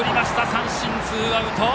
三振、ツーアウト！